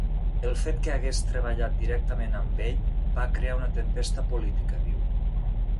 El fet que hagués treballat directament amb ell va crear una tempesta política, diu.